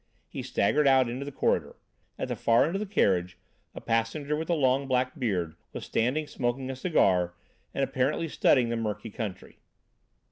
He staggered out into the corridor. At the far end of the carriage a passenger, with a long black beard, was standing smoking a cigar, and apparently studying the murky country.